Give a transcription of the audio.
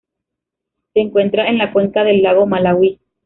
Se encuentra en la cuenca del lago Malawi.